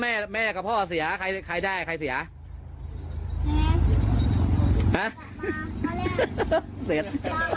แม่แม่กับพ่อเสียใครใครได้ใครเสียแม่ฮะเสร็จต่อ